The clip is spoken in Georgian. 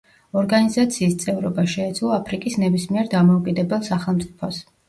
ორგანიზაციის წევრობა შეეძლო აფრიკის ნებისმიერ დამოუკიდებელ სახელმწიფოს.